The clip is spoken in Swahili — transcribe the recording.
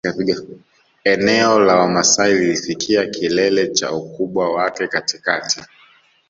Eneo la Wamasai lilifikia kilele cha ukubwa wake katikati